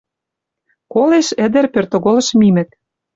Колеш ӹдӹр, пӧрт оголыш мимӹк